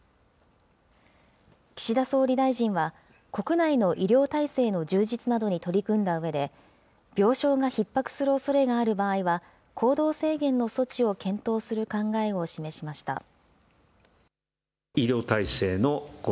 岸田総理大臣は国内の医療体制の充実などに取り組んだうえで、病床がひっ迫するおそれがある場合は行動制限の措置を検討する考えを示しました。